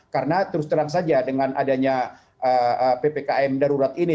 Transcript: karena terus terang saja dengan adanya ppkm darurat ini